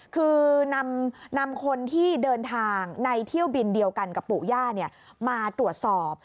คือนำคนที่เดินทางในเที่ยวบินเดียวกันกับปู่ย่ามาตรวจสอบ